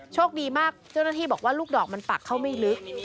โชคดีมากเจ้าหน้าที่บอกว่าลูกดอกมันปักเข้าไม่ลึก